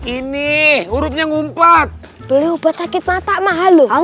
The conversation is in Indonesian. ini hurufnya ngumpet beli obat sakit mata mahal loh